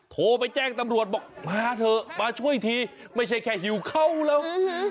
โทรไปแจ้งตำรวจบอกมาเถอะมาช่วยทีไม่ใช่แค่หิวเข้าแล้ว